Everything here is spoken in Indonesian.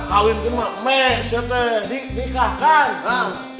kawin rumah me sete nikah kan